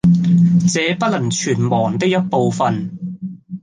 這不能全忘的一部分，